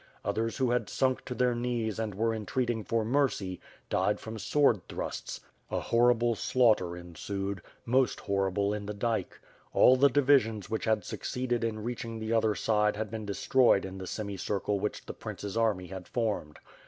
Others who had sunk to their 390 WITH FIRE AND SWORD. knees and were entreating for mercy, died from sword thrusts. A horrible slaughter ensued; most horrible in the dike. All the divisions which had succeeded in reaching the other side had been destroyed in the semicircle which the Prince's army had formed.